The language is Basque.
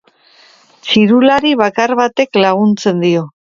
Txirulari bakar batek laguntzen dio.